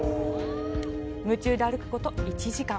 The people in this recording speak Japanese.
夢中で歩くこと１時間。